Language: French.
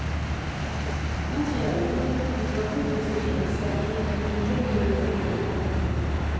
Rentré à Langres, il doit rompre ses fiançailles avec une jeune demoiselle à Naples.